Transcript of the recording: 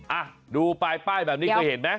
อ่ะดูป้ายแบบนี้เคยเห็นมั้ย